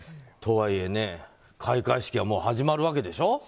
とはいえ、開会式はもう始まるわけでしょ。